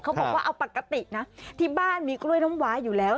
บอกว่าเอาปกตินะที่บ้านมีกล้วยน้ำวาอยู่แล้ว